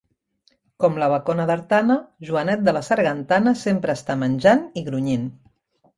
Com la bacona d'Artana, Joanet de la Sargantana sempre està menjant i grunyint.